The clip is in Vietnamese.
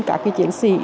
các cái chiến sĩ